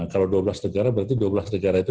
kalau dua belas negara berarti dua belas negara itu